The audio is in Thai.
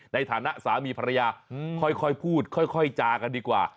ในฐานะสามีภรรยาค่อยพูดค่อยจากันดีกว่า